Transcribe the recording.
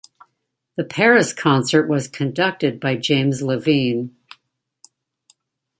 The Paris concert was conducted by James Levine.